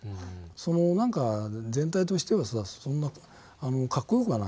なんか全体としてはそんなかっこよくはない。